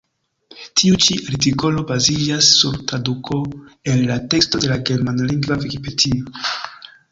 Tiu-ĉi artikolo baziĝas sur traduko el la teksto de la germanlingva vikipedio.